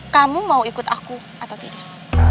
kamu mau ikut aku atau tidak